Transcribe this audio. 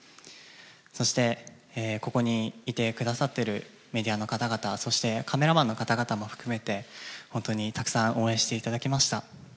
そして、ここにいてくださっているメディアの方々、そして、カメラマンの方々も含めて本当にたくさん応援していただきました。